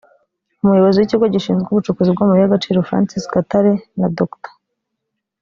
Umuyobozi w’Ikigo gishinzwe Ubucukuzi bw’amabuye y’Agaciro Francis Gatare na Dr